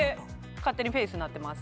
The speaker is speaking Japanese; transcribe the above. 勝手に「ＦＡＣＥ」になってます